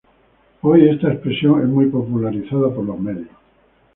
Hoy esta expresión es muy popularizada por los medios.